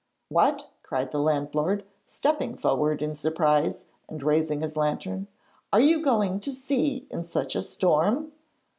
'What!' cried the landlord, stepping forward in surprise, and raising his lantern. 'Are you going to sea in such a storm?'